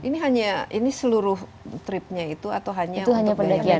ini hanya ini seluruh tripnya itu atau hanya untuk daerah lain